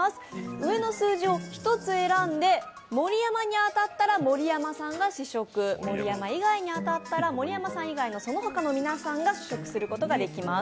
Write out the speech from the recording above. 上の数字を１つ選んで盛山に当たったら盛山さんが試食、盛山以外に当たったら、盛山さん以外のそのほかの方が試食することができます。